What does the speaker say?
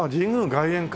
外苑か。